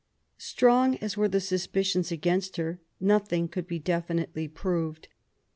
Strong as were the suspicions against her, nothing could be definitely proved.